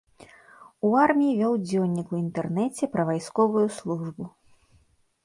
У арміі вёў дзённік у інтэрнеце пра вайсковую службу.